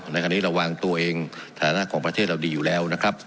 ในขณะนี้ระวังตัวเองฐานะของประเทศเราดีอยู่แล้วนะครับ